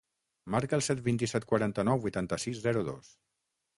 Marca el set, vint-i-set, quaranta-nou, vuitanta-sis, zero, dos.